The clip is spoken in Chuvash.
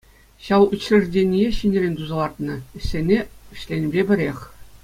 Ҫав учреждение ҫӗнӗрен туса лартнӑ, ӗҫсене вӗҫленӗпе пӗрех.